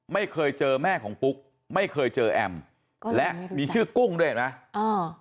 ไม่เคยเจอแม่ของปุ๊กไม่เคยเจอแอมและมีชื่อกุ้งด้วยเห็นไหมอ่า